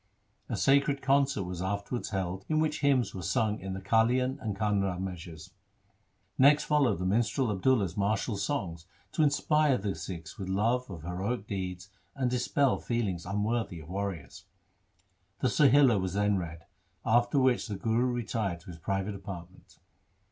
A sacred concert was afterwards held in which hymns were sung in the Kalian and Kanra measures. Next followed the minstrel Ab dulla's martial songs to inspire the Sikhs with love of heroic deeds and dispel feelings unworthy of warriors. The Sohila was then read, after which the Guru retired to his private apartment.